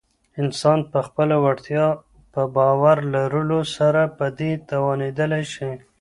انسان په خپله وړتیا په باور لرلو سره په دې توانیدلی شی